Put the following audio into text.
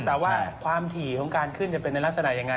แต่ว่าความถี่ของการขึ้นจะเป็นในลักษณะยังไง